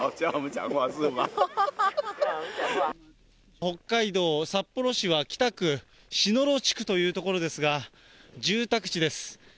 北海道札幌市は北区篠路地区という所ですが、住宅地です。